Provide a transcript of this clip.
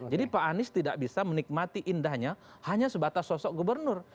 jadi pak any tidak bisa menikmati indahnya hanya sebatas sosok gubernur